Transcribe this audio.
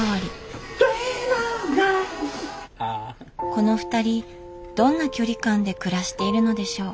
このふたりどんな距離感で暮らしているのでしょう？